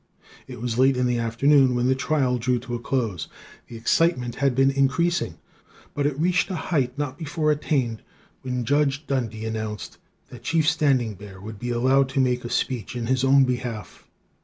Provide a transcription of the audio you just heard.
"It was late in the afternoon when the trial drew to a close. The excitement had been increasing, but it reached a height not before attained when Judge Dundy announced that Chief Standing Bear would be allowed to make a speech in his own behalf.